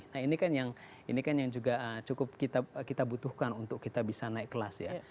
nah ini kan yang ini kan yang juga cukup kita butuhkan untuk kita bisa naik kelas ya